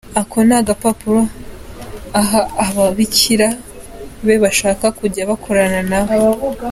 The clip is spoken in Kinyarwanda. Ako ni agapapuro aha abakiliya be bashaka kujya bakorana na we.